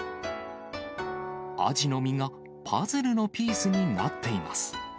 アジの身がパズルのピースになっています。